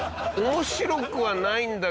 面白くはないんだけど。